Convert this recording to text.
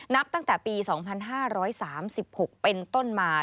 นับตั้งแต่ปี๒๕๓๖เป็นต้นมา